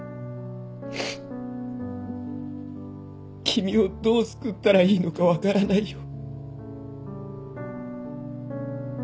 君をどう救ったらいいのか分からないよ。